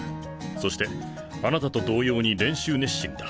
そしてあなたと同様に練習熱心だ。